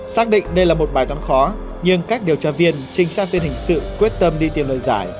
xác định đây là một bài toán khó nhưng các điều tra viên trinh sát viên hình sự quyết tâm đi tìm lời giải